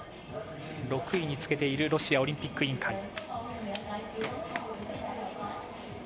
６位につけているロシアオリンピック委員会。